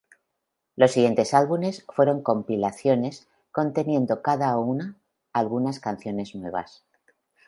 Los siguientes álbumes fueron compilaciones, conteniendo cada una algunas canciones nuevas.